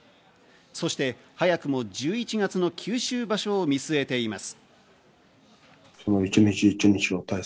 そして早くも１１月の九州場所を見据えています。